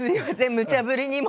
むちゃ振りにも。